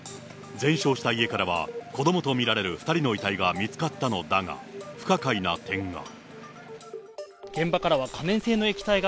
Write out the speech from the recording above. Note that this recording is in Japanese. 全焼した家からは子どもと見られる２人の遺体が見つかったのだが、不可解な点が。